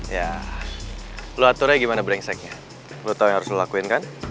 ya lu aturnya gimana brengseknya lu tau yang harus lu lakuin kan